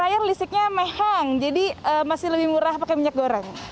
air listriknya mehan jadi masih lebih murah pakai minyak goreng